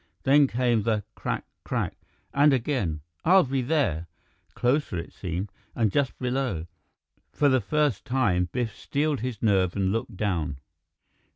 Then came the "Crack crack " and again, "I'll be there " closer, it seemed, and just below. For the first time, Biff steeled his nerve and looked down.